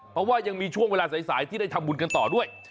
เพราะว่ายังมีช่วงเวลาสายที่ได้ทำบุญกันต่อด้วย